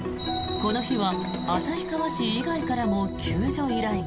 この日は旭川市以外からも救助依頼が。